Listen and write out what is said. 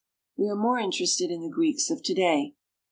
We are more interested in the Greeks of to day.